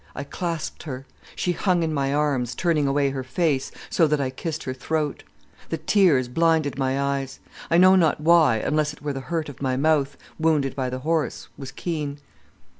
I clasped her. She hung in my arms, turning away her face, so that I kissed her throat. The tears blinded my eyes, I know not why, unless it were the hurt of my mouth, wounded by the horse, was keen.